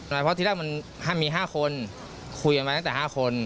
เพราะที่แรกมันมี๕คนคุยกันมาตั้งแต่๕คน